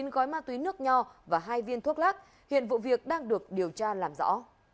một gói ma túy nước nho và hai viên thuốc lắc hiện vụ việc đang được điều tra làm rõ